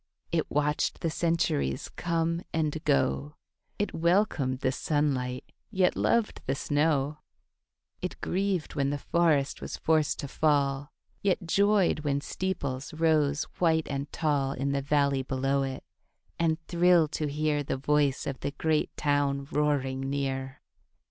It watched the centuries come and go, It welcomed the sunlight yet loved the snow, It grieved when the forest was forced to fall, Yet joyed when steeples rose white and tall In the valley below it, and thrilled to hear The voice of the great town roaring near.